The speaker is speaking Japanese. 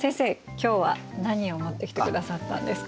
今日は何を持ってきてくださったんですか？